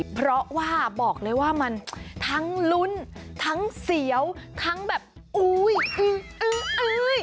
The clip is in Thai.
เพราะว่าบอกเลยว่ามันทั้งลุ้นทั้งเสียวทั้งแบบอุ๊ยอื้ออื้ออื้อ